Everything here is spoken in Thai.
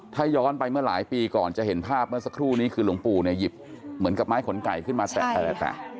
ถ้าย้อนไปเมื่อหลายปีก่อนจะเห็นภาพเมื่อสักครู่นี้คือหลวงปู่เนี่ยหยิบเหมือนกับไม้ขนไก่ขึ้นมาแตะ